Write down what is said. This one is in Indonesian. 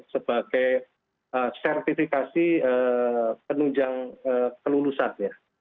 sebagai sertifikasi penunjang kelulusannya